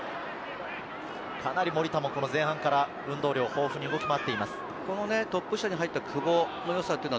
守田も前半からの運動量、豊富に動き回っています。